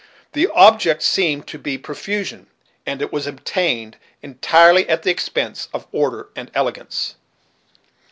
The object seemed to be profusion, and it was obtained entirely at the expense of order and elegance.